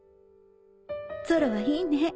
ゾロはいいね